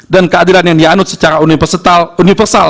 keadilan yang dianut secara universal